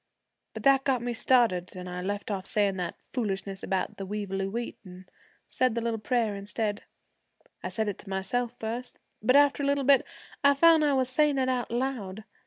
But that got me started, an' I left off sayin' that foolishness about the weevily wheat, an' said the little prayer instead. I said it to myself first, but after a little bit, I found I was sayin' it out loud.